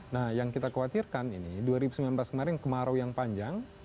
nah yang kita khawatirkan ini dua ribu sembilan belas kemarin kemarau yang panjang